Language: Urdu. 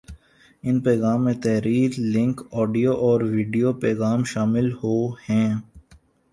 ان پیغام میں تحریر ، لنک ، آڈیو اور ویڈیو پیغام شامل ہو ہیں